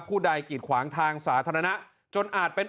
ผู้ใดกิดขวางทางสาธารณะจนอาจเป็น